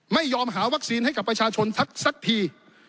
ไม่ยอมหาวัคซีนให้กับประชาชนสักที